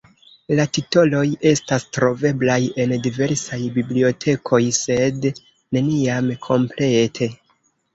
La titoloj estas troveblaj en diversaj bibliotekoj, sed neniam komplete.